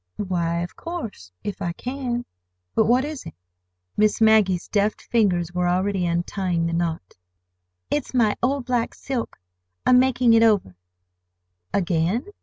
"Why, of course, if I can. But what is it?" Miss Maggie's deft fingers were already untying the knot. "It's my old black silk. I'm making it over." "_Again?